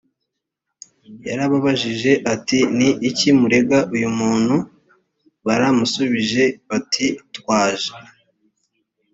yarababajije ati ni iki murega uyu muntu baramushubije bati twaje